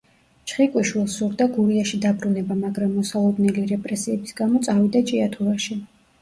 ჩხიკვიშვილს სურდა გურიაში დაბრუნება, მაგრამ მოსალოდნელი რეპრესიების გამო წავიდა ჭიათურაში.